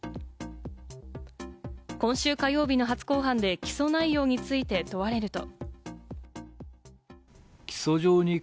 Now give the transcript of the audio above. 今週火曜日の初公判で起訴内容について、問われると。